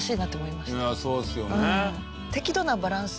いやそうですよね。